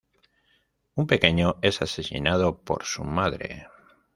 Un pequeño es asesinado por su madre.